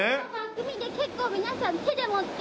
海で結構皆さん手で持って。